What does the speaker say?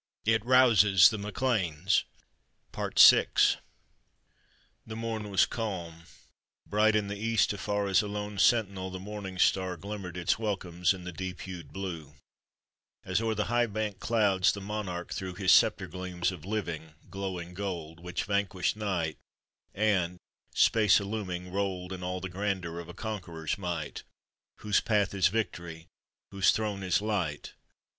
it rouses the MacLeans!" VI. The morn was calm; bright in the east afar, As a lone sentinel, the morning star Glimmered its welcomes in the deep hued blue, As o'er the high banked clouds the monarch threw His scepter gleams of living, glowing gold Which vanquished Night, and, space illuming, rolled In all the grandeur of a conqueror's might; Whose path is victory, whose throne is light.